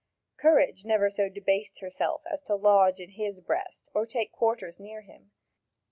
Courage never so debased herself as to lodge in his breast or take quarters near him.